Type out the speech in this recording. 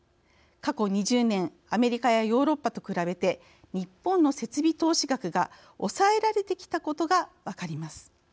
過去２０年、アメリカやヨーロッパと比べて日本の設備投資が抑えられてきたことが分かります。